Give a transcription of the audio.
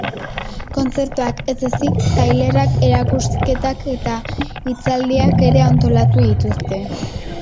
Kontzertuak ez ezik, tailerrak, erakusketak eta hitzaldiak ere antolatu dituzte.